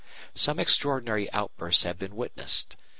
Some extraordinary outbursts have been witnessed.